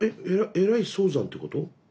えらい早産ということ？